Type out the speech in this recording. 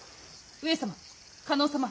上様加納様。